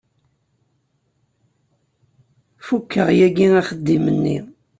Fukeɣ yagi axeddim-nni.